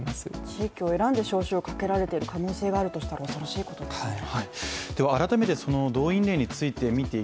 地域を選んで召集をかけられている可能性があるとしたら恐ろしいことですね。